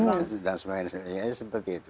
faktual dan sebagainya ya seperti itu